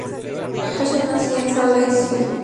Ashton nació en Salt Lake City, Utah.